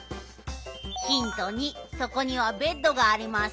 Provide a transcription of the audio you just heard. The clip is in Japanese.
ひんと２そこにはベッドがあります。